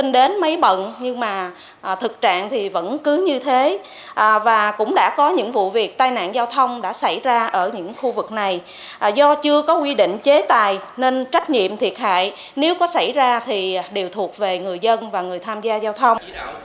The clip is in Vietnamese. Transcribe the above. do chưa có quy định chế tài nên trách nhiệm thiệt hại nếu có xảy ra thì đều thuộc về người dân và người tham gia giao thông